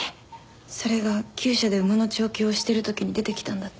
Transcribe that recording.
それが厩舎で馬の調教をしてるときに出てきたんだって。